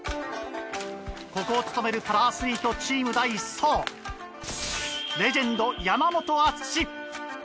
ここを務めるパラアスリートチーム第１走レジェンド。